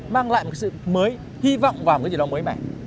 mang lại một sự mới hy vọng vào cái gì đó mới mẻ